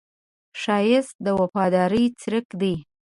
ښایست د وفادارۍ څرک دی